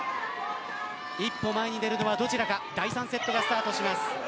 一歩前に出るのはどちらか第３セットがスタートします。